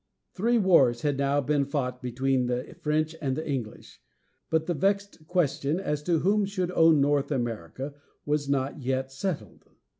Three wars had now been fought between the French and the English, but the vexed question as to who should own North America was not yet settled.